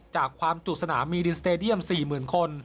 จากความจุสนามมีดินสเตดียม๔๐๐๐คน